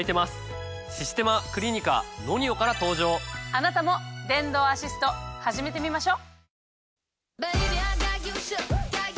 あなたも電動アシスト始めてみましょ！